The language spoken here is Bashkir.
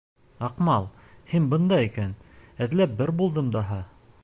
— Аҡмал, һин бында икән, эҙләп бер булдым даһа.